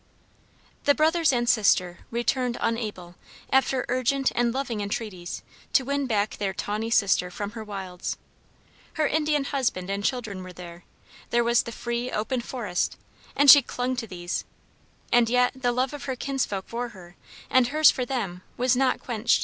The brothers and sister returned unable, after urgent and loving entreaties, to win back their tawny sister from her wilds. Her Indian husband and children were there; there was the free, open forest, and she clung to these; and yet the love of her kinsfolk for her, and her's for them, was not quenched.